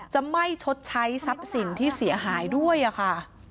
จะไม่ชดใช้ทรัพย์สินที่เสียหายด้วยค่ะ